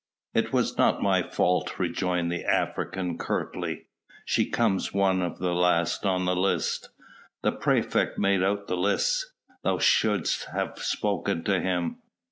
"It was not my fault," rejoined the African curtly, "she comes one of the last on the list. The praefect made out the lists. Thou shouldst have spoken to him."